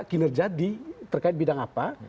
kinerja di terkait bidang apa